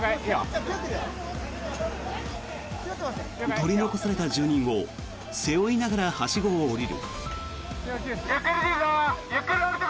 取り残された住人を背負いながらはしごを下りる。